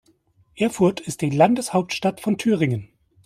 Erfurt ist die Landeshauptstadt von Thüringen.